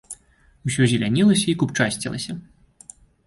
Усё зелянелася і купчасцілася.